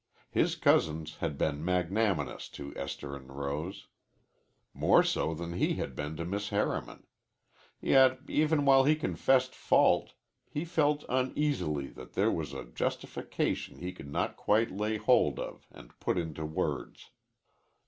His cousins had been magnanimous to Esther and Rose, more so than he had been to Miss Harriman. Yet, even while he confessed fault, he felt uneasily that there was a justification he could not quite lay hold of and put into words.